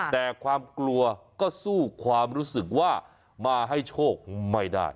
แต่ความกลัวก็สู้ความรู้สึกว่ามาให้โชคไม่ได้